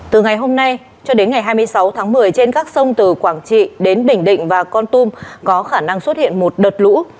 từ ngày hôm nay cho đến ngày hai mươi sáu tháng một mươi trên các sông từ quảng trị đến bình định và con tum có khả năng xuất hiện một đợt lũ